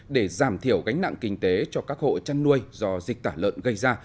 để giảm thiểu gánh nặng kinh tế cho các hộ chăn nuôi do dịch tả lợn gây ra